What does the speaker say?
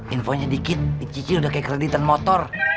infonya dikit dicicil udah kayak kredit dan motor